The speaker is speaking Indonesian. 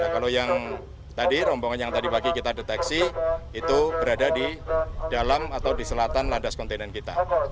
kalau yang tadi rombongan yang tadi pagi kita deteksi itu berada di dalam atau di selatan landas kontinen kita